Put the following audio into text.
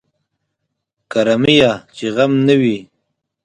کرميه چې غم نه وي.